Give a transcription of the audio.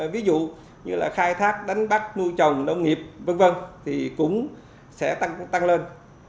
ví dụ như là khai thác đánh bắt nuôi trồng nông nghiệp v v thì cũng sẽ tăng lên